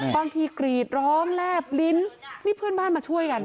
กรีดร้องแลบลิ้นนี่เพื่อนบ้านมาช่วยกัน